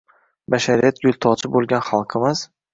Bashariyat gultoji boʻlgan xalqmiz